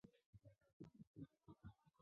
该物种的模式产地在印度特兰克巴尔。